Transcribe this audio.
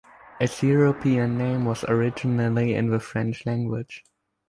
Its European name was originally in the French language.